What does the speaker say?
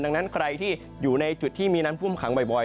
ดังนั้นใครที่อยู่ในจุดที่มีน้ำท่วมขังบ่อย